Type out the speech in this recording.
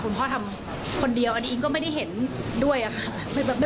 คุณพ่อทำคนเดียวอันนี้อิงก็ไม่ได้เห็นด้วยอะค่ะ